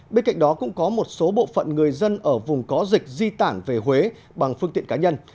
bên cạnh đó cũng có một số bộ phận người dân ở vùng có dịch di tản về huế bằng phương tiện cá nhân